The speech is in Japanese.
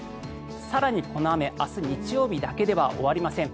更にこの雨明日日曜日だけでは終わりません。